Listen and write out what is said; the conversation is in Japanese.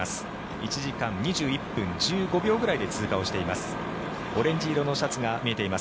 １時間２１分１５秒くらいで通過しています。